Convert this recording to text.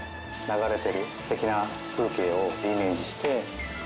流れてる素敵な風景をイメージして。